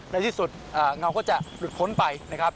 ในที่สุดเงาก็จะหลุดพ้นไปนะครับ